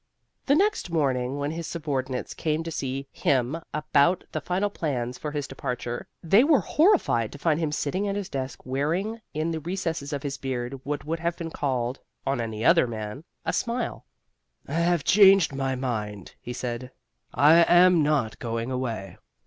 The next morning, when his subordinates came to see him about the final plans for his departure, they were horrified to find him sitting at his desk wearing in the recesses of his beard what would have been called (on any other man) a smile. "I have changed my mind," he said. "I am not going away."